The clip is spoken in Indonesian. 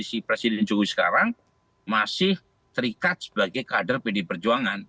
si presiden jokowi sekarang masih terikat sebagai kader pdi perjuangan